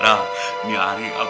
roh mihari abang